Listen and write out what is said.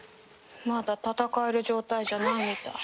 まだ戦える状態じゃないみたい。